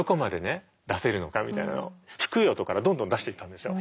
低い音からどんどん出していったんですよ。